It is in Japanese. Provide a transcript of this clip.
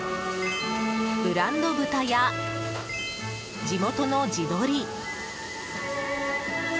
ブランド豚や、地元の地鶏。